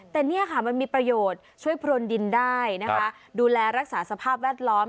แต่นี่ค่ะมันมีประโยชน์ช่วยพรนดินได้นะคะดูแลรักษาสภาพแวดล้อม